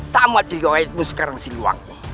tamat juga wajibmu sekarang siluang